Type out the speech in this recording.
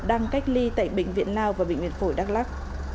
đang cách ly tại bệnh viện lao và bệnh viện phổi đắk lắc